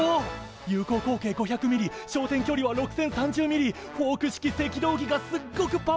有効口径５００ｍｍ焦点距離は６，０３０ｍｍフォーク式赤道儀がすっごくパワフルだ！